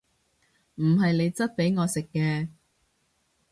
唔係你質俾我食嘅！